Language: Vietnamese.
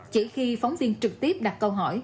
chỉ khi phóng viên trực tiếp đặt câu hỏi